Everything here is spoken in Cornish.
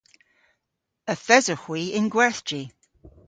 Yth esowgh hwi yn gwerthji.